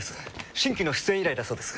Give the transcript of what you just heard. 新規の出演依頼だそうです。